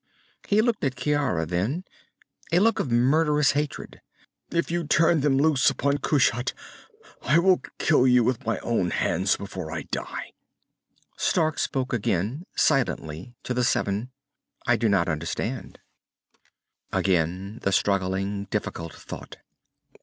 He looked at Ciara then, a look of murderous hatred. "If you turn them loose upon Kushat, I will kill you with my own hands before I die." Stark spoke again, silently, to the seven. "I do not understand." Again the struggling, difficult thought.